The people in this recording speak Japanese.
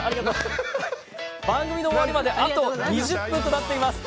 番組の終わりまであと２０分となっています。